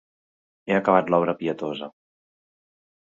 He acabat l'obra pietosa…